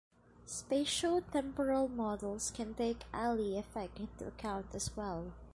Spatio-temporal models can take Allee effect into account as well.